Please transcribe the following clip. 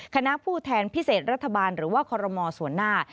คณะผู้แทนพิเศษรัฐบาลหรือว่าคอรมอส่วนหน้า